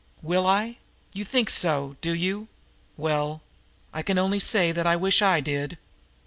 "Will I? You think so, do you? Well, I can only say that I wish I did!"